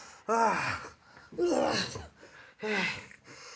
ああ。